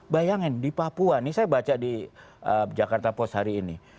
bayangin di papua ini saya baca di jakarta post hari ini